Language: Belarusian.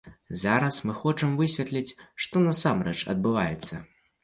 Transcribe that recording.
Зараз мы хочам высветліць, што насамрэч адбываецца.